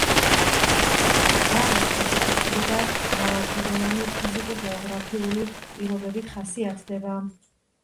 ბაღი სპეციფიკური და მრავალფეროვანი ფიზიკურ-გეოგრაფიული პირობებით ხასიათდება.